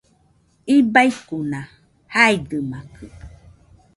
Ibaikuna jaidɨmakɨ